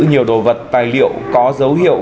nhiều đồ vật tài liệu có dấu hiệu